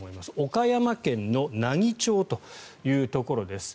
岡山県の奈義町というところです。